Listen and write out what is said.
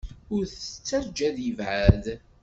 Ur t-ttajja ad yebɛed.